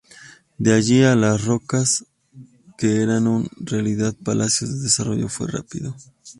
De ahí a los "rocca" que eran en realidad palacios el desarrollo fue rápido.